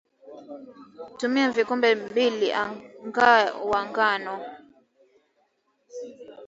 Tumia vikombe mbili nga wa ngano